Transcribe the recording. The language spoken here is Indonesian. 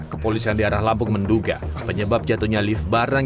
kepolisian di arah lampung menduga penyebab jatuhnya lift barang